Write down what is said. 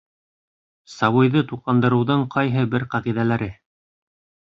Сабыйҙы туҡландырыуҙың ҡайһы бер ҡағиҙәләре